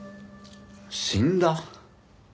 死んだ？